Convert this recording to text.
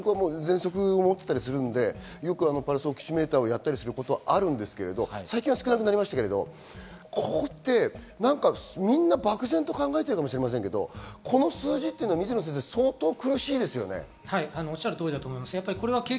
僕は、ぜんそくを持ってたりするので、よくパルスオキシメーターをやったりすることがあるんですが、最近は使わなくなりましたけど、みんな漠然と考えてるかもしれませんが、この数字って相当苦しいおっしゃる通りだと思います。